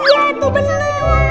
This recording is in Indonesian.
iya itu bener